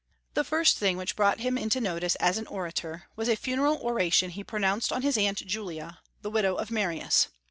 The first thing which brought him into notice as an orator was a funeral oration he pronounced on his Aunt Julia, the widow of Marius.